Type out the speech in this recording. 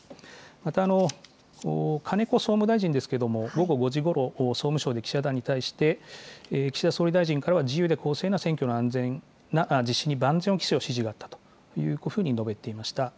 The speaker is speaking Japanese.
また金子総務大臣ですけれども、午後５時ごろ、総務省で記者団に対して、岸田総理大臣からは、自由で公正な選挙の安全な実施に万全を期すよう指示があったというふうに述べていました。